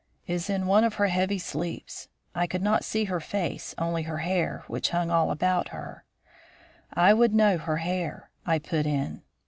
"Is in one of her heavy sleeps. I could not see her face, only her hair, which hung all about her " "I would know her hair," I put in.